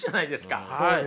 はい。